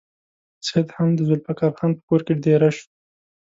سید هم د ذوالفقار خان په کور کې دېره شو.